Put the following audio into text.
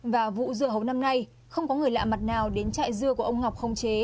và vụ dưa hấu năm nay không có người lạ mặt nào đến trại dưa của ông ngọc không chế